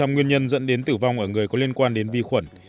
một mươi nguyên nhân dẫn đến tử vong ở người có liên quan đến vi khuẩn